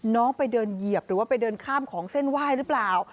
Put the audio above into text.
น้องไปเดินเหยียบหรือว่าไปเดินข้ามของเส้นไหว้หรือเปล่า